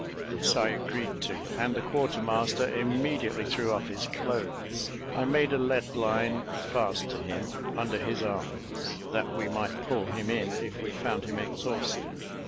This I agreed to; and the quarter master immediately threw off his clothes. I made a lead line fast to him under his arms, that we might pull him in if we found him exhausted.